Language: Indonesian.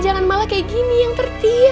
jangan malah kayak gini yang tertib